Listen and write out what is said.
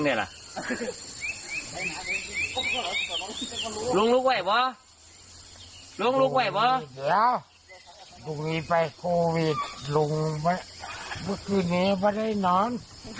เดี๋ยวลุงนี้ไปโควิดลุงเมื่อคืนนี้ไม่ได้นอน